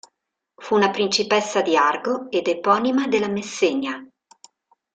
Fu una principessa di Argo ed eponima della Messenia.